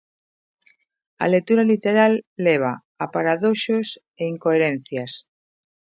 A lectura literal leva a paradoxos e incoherencias.